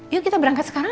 yuk kita berangkat sekarang